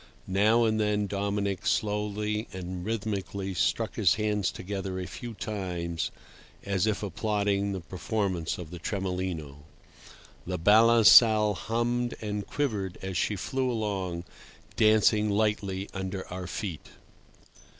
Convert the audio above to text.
Now and then Dominic slowly and rhythmically struck his hands together a few times, as if applauding the performance of the Tremolino. The balancelle hummed and quivered as she flew along, dancing lightly under our feet.